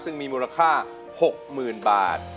ซึ่งมีมูลค่า๖๐๐๐บาท